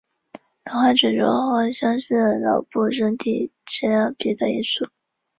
脑化指数和相似的脑部身体质量比的因素。